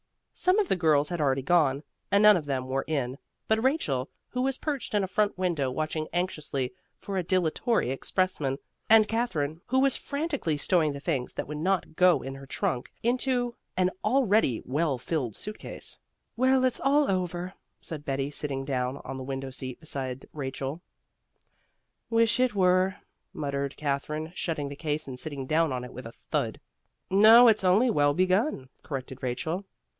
Some of the girls had already gone, and none of them were in but Rachel, who was perched in a front window watching anxiously for a dilatory expressman, and Katherine, who was frantically stowing the things that would not go in her trunk into an already well filled suit case. "Well, it's all over," said Betty, sitting down on the window seat beside Rachel. "Wish it were," muttered Katherine, shutting the case and sitting down on it with a thud. "No, it's only well begun," corrected Rachel.